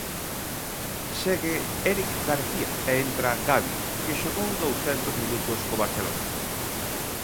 Segue Éric García e entra Gavi, que xogou douscentos minutos co Barcelona.